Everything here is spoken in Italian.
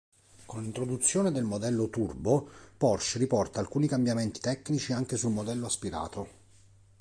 Con l'introduzione del modello Turbo, Porsche riporta alcuni cambiamenti tecnici anche sul modello aspirato.